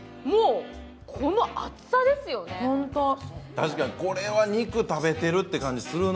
確かにこれは肉食べてるって感じするな。